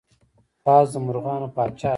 باز د مرغانو پاچا دی